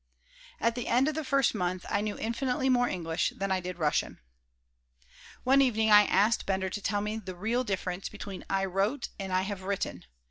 At the end of the first month I knew infinitely more English than I did Russian One evening I asked Bender to tell me the "real difference" between "I wrote" and "I have written."